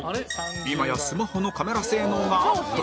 今やスマホのカメラ性能がアップ